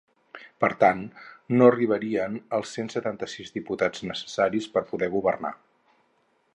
Per tant, no arribarien als cent setanta-sis diputats necessaris per poder governar.